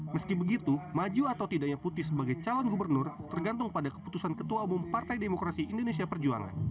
meski begitu maju atau tidaknya putih sebagai calon gubernur tergantung pada keputusan ketua umum partai demokrasi indonesia perjuangan